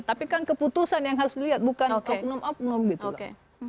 tapi kan keputusan yang harus dilihat bukan oknum oknum gitu loh